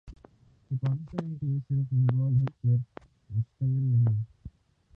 کہ پاکستانی ٹیم صرف مصباح الحق پر مشتمل نہیں